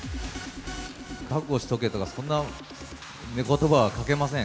覚悟しとけとか、そんなことばはかけません。